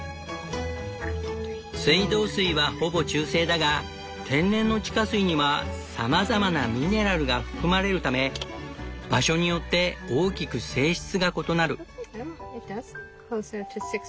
水道水はほぼ中性だが天然の地下水にはさまざまなミネラルが含まれるため場所によって大きく性質が異なる。